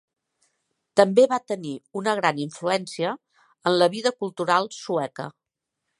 També va tenir una gran influència en la vida cultural sueca.